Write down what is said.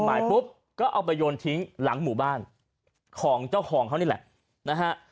หมายปุ๊บก็เอาไปโยนทิ้งหลังหมู่บ้านของเจ้าของเขานี่แหละนะฮะ